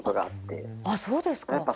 あっそうですか。